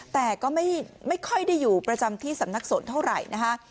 แต่ก็ไม่ค่อยได้อยู่ประจำที่สำนักสนเท่าไหร่นะคะ